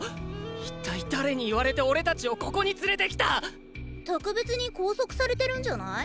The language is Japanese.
一体誰に言われておれ達をここに連れてきた⁉特別に拘束されてるんじゃない？